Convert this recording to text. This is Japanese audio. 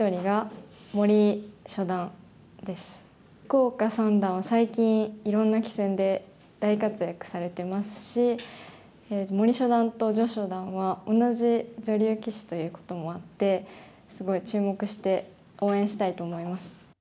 福岡三段は最近いろんな棋戦で大活躍されてますし森初段と徐初段は同じ女流棋士ということもあってすごい注目して応援したいと思います。